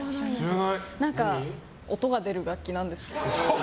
何か音が出る楽器なんですけど。